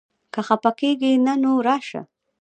که خپه کېږې نه؛ نو راشه!